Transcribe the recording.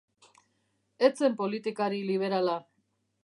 Ez zen politikari liberala.